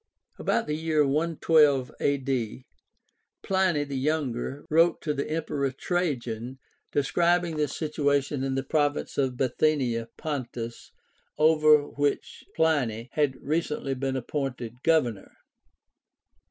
About the year 112 a.d. Pliny the Younger wrote to the Emperor Trajan describing the situation in the province of Bithynia Pontus over which Pliny had recently been appointed governor.